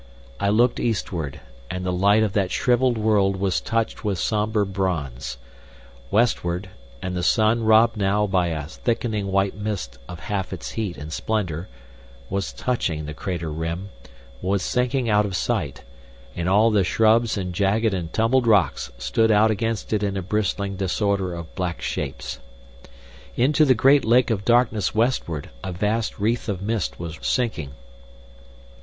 I looked eastward, and the light of that shrivelled world was touched with sombre bronze; westward, and the sun robbed now by a thickening white mist of half its heat and splendour, was touching the crater rim, was sinking out of sight, and all the shrubs and jagged and tumbled rocks stood out against it in a bristling disorder of black shapes. Into the great lake of darkness westward, a vast wreath of mist was sinking.